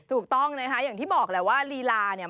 ถูกต้องนะคะอย่างที่บอกแหละว่าลีลาเนี่ย